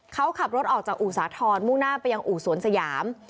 เขาขับรถออกจากอู่สาธรณ์มุ่งหน้าไปยังอู่สวนสยาม